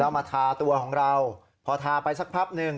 มาทาตัวของเราพอทาไปสักพักหนึ่ง